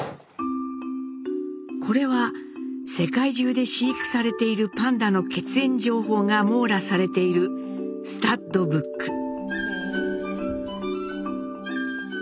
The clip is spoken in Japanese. これは「世界中で飼育されているパンダの血縁情報」が網羅されているスタッドブック。